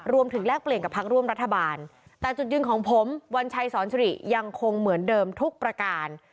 แลกเปลี่ยนกับพักร่วมรัฐบาลแต่จุดยืนของผมวัญชัยสอนสิริยังคงเหมือนเดิมทุกประการ